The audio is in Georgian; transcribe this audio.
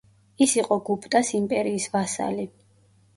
ის იყო გუპტას იმპერიის ვასალი.